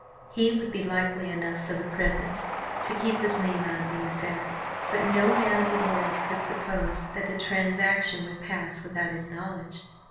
He would be likely enough for the present to keep his name out of the affair. But no man of the world could suppose that the transaction would pass without his knowledge.